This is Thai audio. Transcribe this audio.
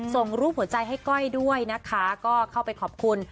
ส่งรูปหัวใจให้ก้อยด้วยนะคะก็เข้าไปขอบคุณ